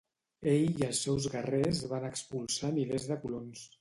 Ell i els seus guerrers van expulsar milers de colons.